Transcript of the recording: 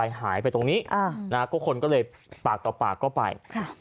ผลัญหายไปตรงนี้อะก็คนก็เลยปากต่อปากก็ไปครับ